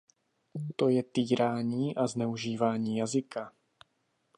To je týrání a zneužívání jazyka.